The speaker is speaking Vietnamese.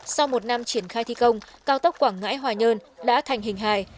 sau một năm triển khai thi công cao tốc quảng ngãi hòa nhơn đã thành hình hài